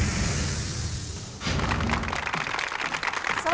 สวัสดีค่ะ